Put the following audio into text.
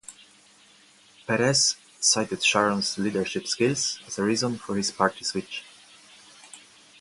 Peres cited Sharon's leadership skills as a reason for his party switch.